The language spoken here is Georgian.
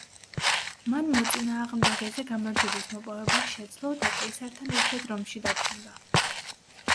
მან მოწინააღმდეგეზე გამარჯვების მოპოვება შეძლო და კეისართან ერთად რომში დაბრუნდა.